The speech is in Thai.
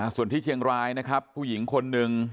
ส่วนที่เชียงรายนะครับผู้หญิงคนหนึ่ง